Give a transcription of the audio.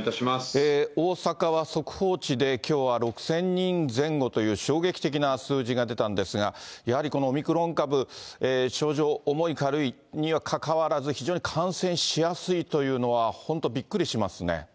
大阪は速報値できょうは６０００人前後という衝撃的な数字が出たんですが、やはりこのオミクロン株、症状重い、軽いにはかかわらず、非常に感染しやすいというのは本当、びっくりしますね。